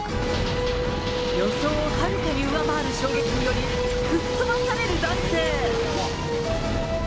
予想をはるかに上回る衝撃により、吹っ飛ばされる男性。